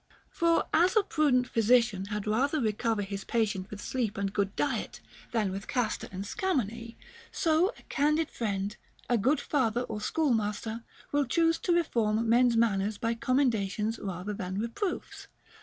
* For as a prudent physician had rather recover his pa tient with sleep and good diet than with castor and scam mony, so a candid friend, a good father or schoolmaster, will choose to reform men's manners by commendations rather than reproofs.